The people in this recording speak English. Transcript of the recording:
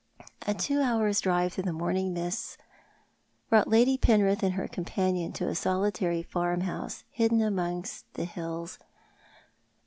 A two hours' drive through the norning mists brought Lady Penrith and her companion to a solitary farmhouse hidden amongst the hills, a